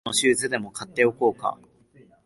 予備のシューズでも買っておこうか